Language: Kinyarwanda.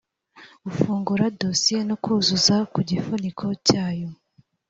gufungura dosiye no kuzuza ku gifuniko cyayo